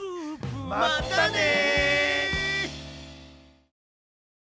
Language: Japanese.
またね！